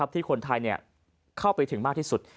ที่คนไทยเข้าไปถึงมากที่สุด